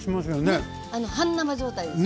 半生状態です。